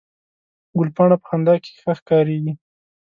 ګلپاڼه په خندا کې ښه ښکارېږي